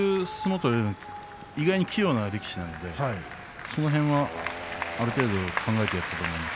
意外に器用な力士なのでその辺は、ある程度考えていると思います。